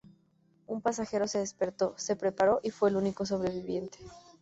Un pasajero se despertó, se preparó y fue el único sobreviviente.